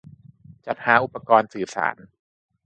-จัดหาอุปกรณ์สื่อสาร